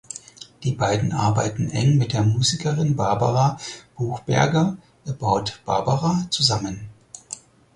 Die beiden arbeiten eng mit der Musikerin Barbara Buchberger (About Barbara) zusammen.